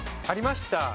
ありました。